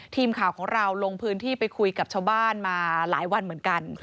ทีมข่าวของเราลงพื้นที่ไปคุยกับชาวบ้านมาหลายวันเหมือนกัน